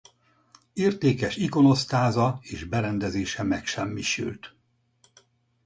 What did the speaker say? Értékes ikonosztáza és berendezése megsemmisült.